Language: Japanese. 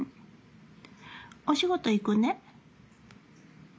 お仕事行くね。